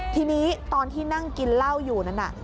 ทีนี้ตอนที่นั่งกินเหล้าอยู่นั้นน่ะ